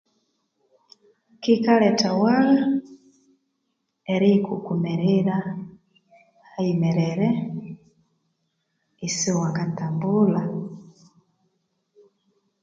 Kikalethawagha eriyikukumirira hayimerere isiwangatambulha